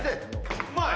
うまい。